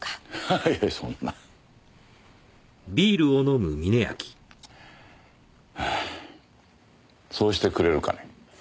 はあそうしてくれるかね。